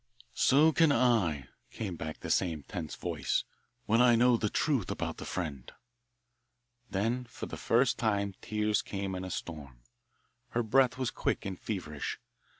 "So can I," came back the same tense voice, "when I know the truth about that friend." Then for the first time tears came in a storm. Her breath was quick and feverish.